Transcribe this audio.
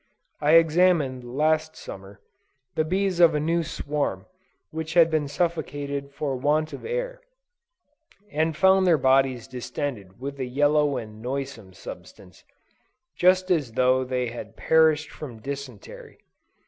I examined, last Summer, the bees of a new swarm which had been suffocated for want of air, and found their bodies distended with a yellow and noisome substance, just as though they had perished from dysentery.